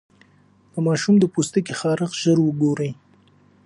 د ماشوم د پوستکي خارښت ژر وګورئ.